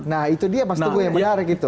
nah itu dia mas teguh yang menarik itu